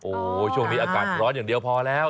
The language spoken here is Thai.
โอ้โหช่วงนี้อากาศร้อนอย่างเดียวพอแล้ว